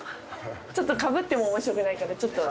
ちょっとかぶっても面白くないからちょっと。